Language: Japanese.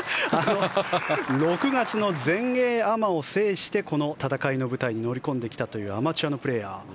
６月の全英アマを制してこの戦いの舞台に乗り込んできたというアマチュアのプレーヤー。